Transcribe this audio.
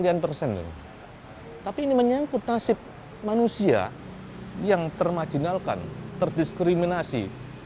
tapi ini menyangkut nasib manusia yang termajinalkan terdiskriminasi